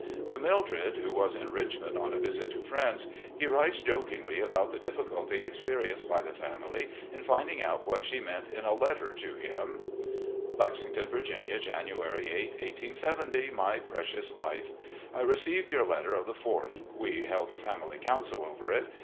To Mildred, who was in Richmond on a visit to friends, he writes jokingly about the difficulty experienced by the family in finding out what she meant in a letter to him : "Lexington, Virginia, January 8, 1870. "My Precious Life: I received your letter of the 4th. We held a family council over it.